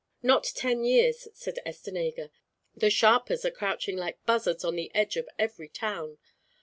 "Not ten years," said Estenega. "The sharpers are crouching like buzzards on the edge of every town.